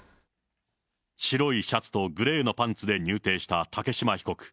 白いシャツとグレーのパンツで入廷した竹島被告。